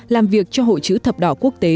làm việc cho hội chữ thập đỏ quốc tế